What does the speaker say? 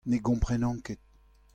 Ne gomprenan ket.